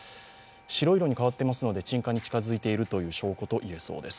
白い色に変わっているので鎮火に近づいている証拠と言えそうです。